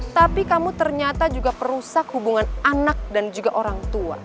tapi kamu ternyata juga perusak hubungan anak dan juga orang tua